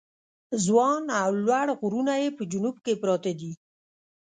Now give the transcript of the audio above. ځوان او لوړ غرونه یې په جنوب کې پراته دي.